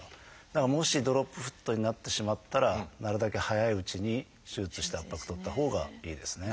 だからもしドロップフットになってしまったらなるだけ早いうちに手術して圧迫取ったほうがいいですね。